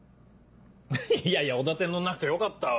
いやいやおだてに乗らなくてよかったわ。